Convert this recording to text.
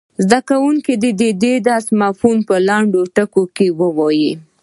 زده کوونکي دې د درس مفهوم په لنډو ټکو کې ووايي.